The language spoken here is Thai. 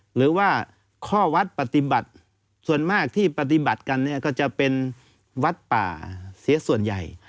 หรือว่าข้อวัดปฏิบัติส่วนมากที่ปฏิบัติกันเนี่ยก็จะเป็นวัดป่าเสียส่วนใหญ่